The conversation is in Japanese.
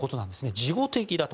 事後的だと。